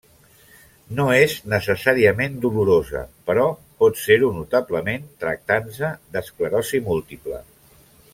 No és necessàriament dolorosa, però pot ser-ho notablement tractant-se d'esclerosi múltiple.